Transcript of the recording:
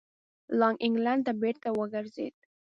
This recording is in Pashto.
لاک انګلېنډ ته بېرته وګرځېد.